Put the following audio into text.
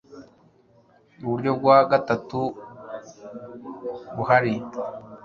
uburyo bwa gatatu buhari